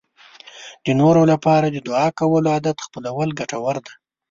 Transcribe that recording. د نورو لپاره د دعا کولو عادت خپلول ګټور دی.